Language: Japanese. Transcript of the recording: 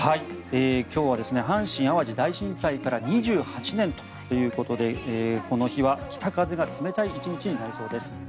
今日は阪神・淡路大震災から２８年ということでこの日は北風が冷たい１日になりそうです。